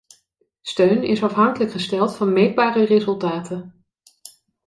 Steun is afhankelijk gesteld van meetbare resultaten.